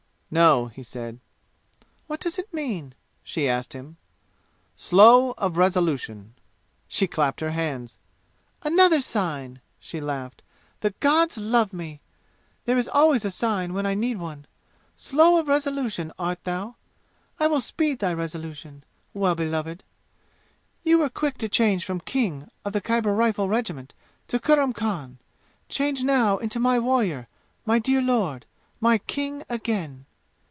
"No," he said. "What does it mean?" she asked him. "Slow of resolution!" She clapped her hands. "Another sign!" she laughed. "The gods love me! There always is a sign when I need one! Slow of resolution, art thou? I will speed thy resolution, Well beloved! You were quick to change from King, of the Khyber Rifle Regiment, to Kurram Khan. Change now into my warrior my dear lord my King again!"